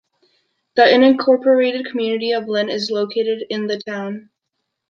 The unincorporated community of Lynn is located in the town.